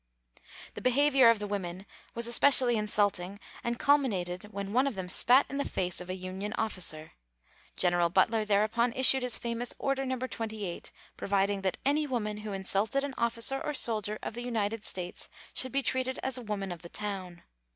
The behavior of the women was especially insulting and culminated when one of them spat in the face of a Union officer. General Butler thereupon issued his famous Order No. 28, providing that any woman who insulted an officer or soldier of the United States should be treated as a woman of the town.